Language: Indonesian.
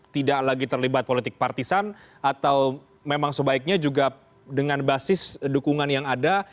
tidak lagi terlibat politik partisan atau memang sebaiknya juga dengan basis dukungan yang ada